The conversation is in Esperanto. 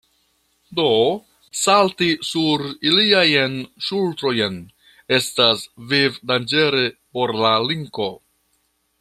Do salti sur iliajn ŝultrojn estas vivdanĝere por la linko.